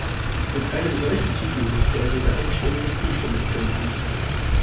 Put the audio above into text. Mit einem solchen Titel müsste er sogar einstimmige Zustimmung finden.